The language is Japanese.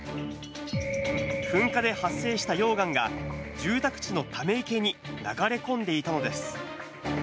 噴火で発生した溶岩が、住宅地のため池に流れ込んでいたのです。